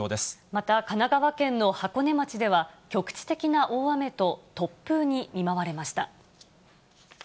また、神奈川県の箱根町では、局地的な大雨と突風に見舞われました。